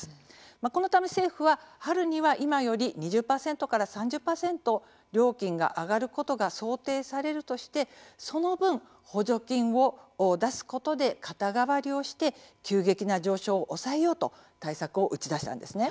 このため政府は、春には今より２０％３０％料金が上がることが想定されるとしてその分、補助金を出すことで肩代わりをして急激な上昇を抑えようと対策を打ち出したんです。